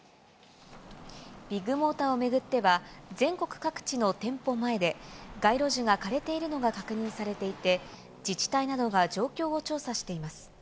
ビッグモーターを巡っては、全国各地の店舗前で、街路樹が枯れているのが確認されていて、自治体などが状況を調査しています。